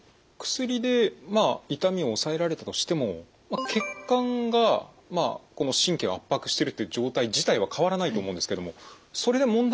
薬でまあ痛みを抑えられたとしても血管がこの神経を圧迫しているという状態自体は変わらないと思うんですけどもそれで問題はないんでしょうか？